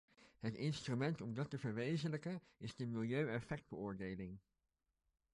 Het instrument om dat te verwezenlijken, is de milieu-effectbeoordeling.